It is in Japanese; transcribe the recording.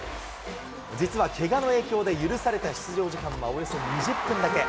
実はけがの影響で許された出場時間はおよそ２０分だけ。